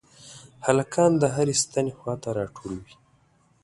هلکان د هرې ستنې خواته راټول وي.